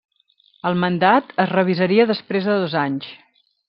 El mandat es revisaria després de dos anys.